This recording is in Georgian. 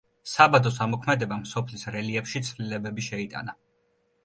საბადოს ამოქმედებამ სოფლის რელიეფში ცვლილებები შეიტანა.